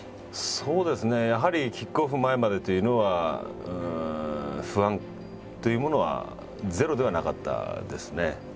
そうですねやはりキックオフ前までというのは不安というものはゼロではなかったですね。